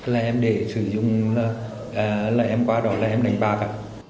là em để sử dụng là em qua đó là em đánh bạc